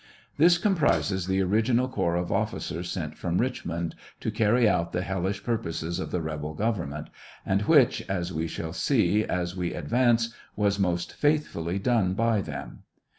This comprises the original corps of officers sent from Richmond to carry out the hellish purposes of the rebel government, and which, as we shall see as we advance, was most faithfully done by them.